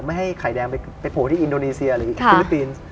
ไม่ให้ไข่แดงไปโผล่ที่อินโดนีเซียหรือฟิลิปปินส์